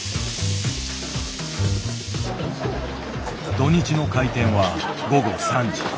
土日の開店は午後３時。